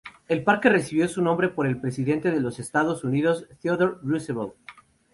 El parque recibió su nombre por el presidente de los Estados Unidos Theodore Roosevelt.